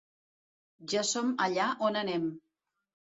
Ja som allà on anem.